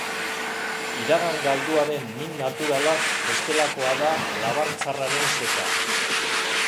Iragan galduaren min naturalaz bestelakoa da labartzarraren seta.